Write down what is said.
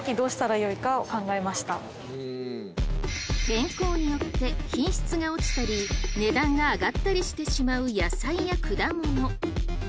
天候によって品質が落ちたり値段が上がったりしてしまう野菜や果物。